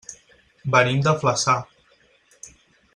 Venim de Flaçà.